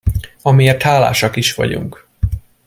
Amiért hálásak is vagyunk.